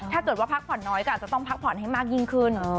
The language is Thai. ถ้าเกิดว่าพักผ่อนน้อยก็อาจจะต้องพักผ่อนให้มากยิ่งขึ้น